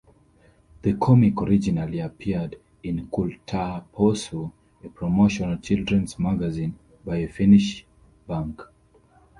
The comic originally appeared in "Kultapossu", a promotional children's magazine by a Finnish bank.